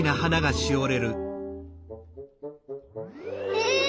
え！